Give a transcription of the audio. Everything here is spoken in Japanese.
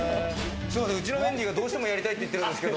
うちのメンディーがどうしてもやりたいって言ってるんですけど。